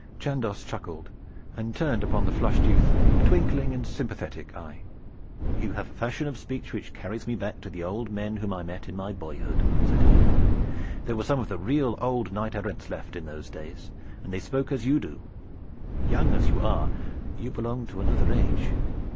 Chandos chuckled and turned upon the flushed youth a twinkling and sympathetic eye. "You have a fashion of speech which carries me back to the old men whom I met in my boyhood," said he. "There were some of the real old knight errants left in those days, and they spoke as you do. Young as you are, you belong to another age.